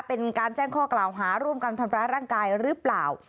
เป็นการแจ้งข้อกล่าวหาร่วมกันทำร้ายร่างกายหรือเปล่า